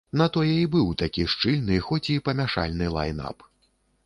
На тое і быў такі шчыльны, хоць і памяшаны, лайн-ап.